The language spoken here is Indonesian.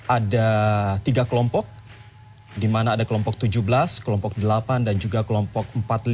ada tiga kelompok di mana ada kelompok tujuh belas kelompok delapan dan juga kelompok empat puluh lima